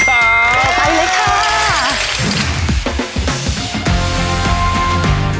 ไปเลยค่ะ